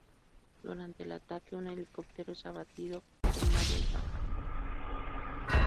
Durante el ataque, un helicóptero es abatido, con varias bajas.